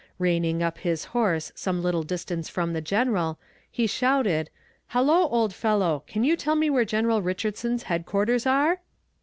Reining up his horse some little distance from the general, he shouted: "hallo, old fellow! can you tell me where General Richardson's headquarters are?"